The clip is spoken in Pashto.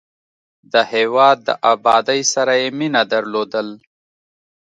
د هېواد د ابادۍ سره یې مینه درلودل.